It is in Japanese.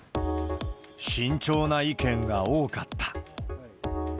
慎重な意見が多かった。